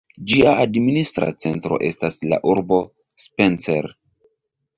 Ĝia administra centro estas la urbo Spencer.